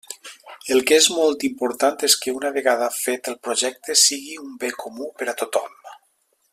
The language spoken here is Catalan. El que és molt important és que una vegada fet el projecte sigui un bé comú per a tothom.